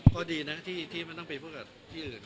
ก็ดีนะว่าทีนี่มันต้องไปพูดกับที่อื่น